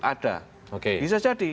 ada bisa jadi